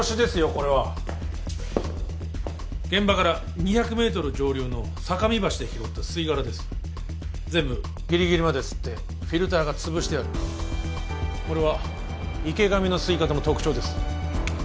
これは現場から２００メートル上流の坂見橋で拾った吸い殻です全部ギリギリまで吸ってフィルターがつぶしてあるこれは池上の吸い方の特徴です